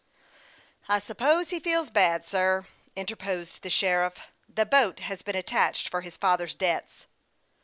" I suppose he feels bad, sir," interposed the sher iff. " The boat has been attached for his father's debts."